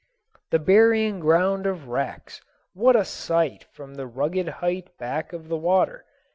The burying ground of wrecks! What a sight from the rugged height back of the water!